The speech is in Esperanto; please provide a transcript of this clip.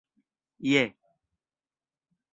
je